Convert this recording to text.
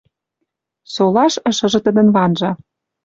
Солаш ышыжы тӹдӹн ванжа.